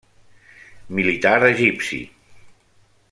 Militar egipci.